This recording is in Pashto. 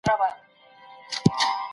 موږ د انار اوبو په څښلو بوخت یو.